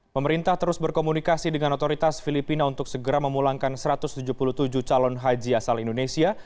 pemerintah terus berkomunikasi dengan otoritas filipina untuk segera memulangkan satu ratus tujuh puluh tujuh calon haji asal indonesia